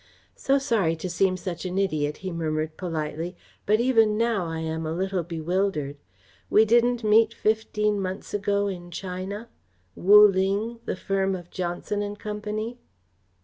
"So sorry to seem such an idiot," he murmured politely, "but even now I am a little bewildered. We didn't meet fifteen months ago in China Wu Ling the firm of Johnson and Company?"